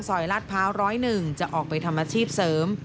ลาดพร้าว๑๐๑จะออกไปทำอาชีพเสริม